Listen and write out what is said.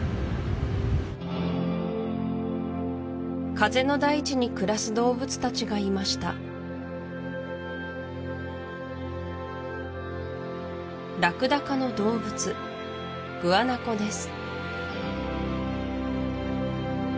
風の大地に暮らす動物たちがいましたラクダ科の動物グアナコです